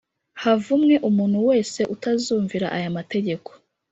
Havumwe umuntu wese utazumvira aya mategeko